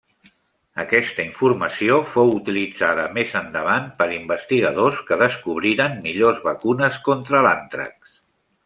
Aquesta informació fou utilitzada més endavant per investigadors que descobriren millors vacunes contra l'àntrax.